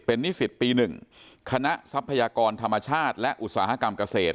นิสิตปี๑คณะทรัพยากรธรรมชาติและอุตสาหกรรมเกษตร